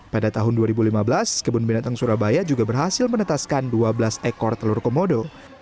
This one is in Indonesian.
pada tahun dua ribu lima belas kebun binatang surabaya juga berhasil menetaskan dua belas ekor telur komodo